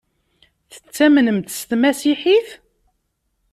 Tettamnemt s tmasiḥit?